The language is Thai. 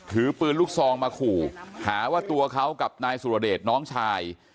ถือปืนลูกซองมาขู่หาว่าตัวเขากับนายสุรเดชน้องชาย